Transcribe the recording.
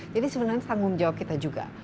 jadi sebenarnya tanggung jawab kita juga